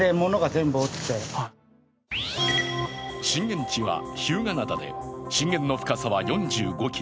震源地は日向灘で震源の深さは４５ｋｍ。